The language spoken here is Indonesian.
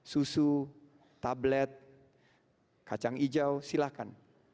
susu tablet kacang hijau silahkan